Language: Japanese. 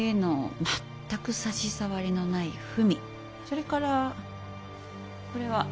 それからこれは経本。